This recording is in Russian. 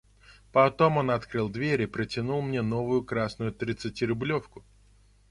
Потом он открыл дверь и протянул мне новую красную тридцатирублевку.